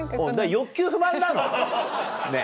欲求不満なの？ねぇ。